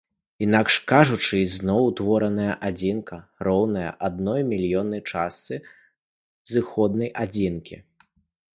Інакш кажучы, ізноў утвораная адзінка роўная адной мільённай частцы зыходнай адзінкі.